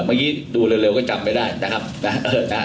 เมื่อกี้ดูเร็วก็จำไม่ได้นะครับนะ